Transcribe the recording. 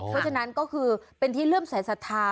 เพราะฉะนั้นก็คือเป็นที่เลื่อมสายศรัทธา